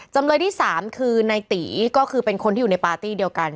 จำเลยที่๓คือในตีก็คือเป็นคนที่อยู่ในปาร์ตี้เดียวกัน